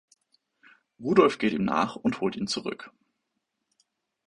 Rudolf geht ihm nach und holt ihn zurück.